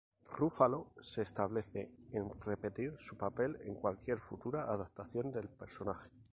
Ruffalo se establece en repetir su papel en cualquier futura adaptación del personaje.